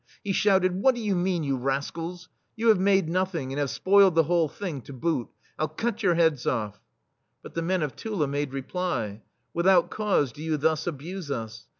He shouted :" What do you mean, you rascals ? You have made nothing, and have spoiled the whole thing, to boot ! I'll cut your heads ofl^!" But the men of Tula made reply : "Without cause do you thus abuse us.